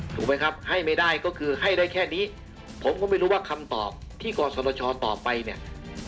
ถูกไหมครับให้ไม่ได้ก็คือให้ได้แค่นี้ผมก็ไม่รู้ว่าคำตอบที่กศชตอบไปเนี่ย